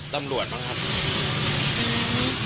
อ่าตำรวจบ้างครับอือ